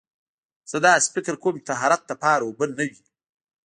زه داسې فکر کوم چې طهارت لپاره اوبه نه وي.